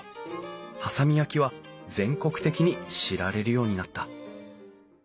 波佐見焼は全国的に知られるようになった。